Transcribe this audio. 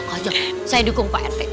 aduh saya dukung pak rete